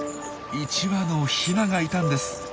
１羽のヒナがいたんです！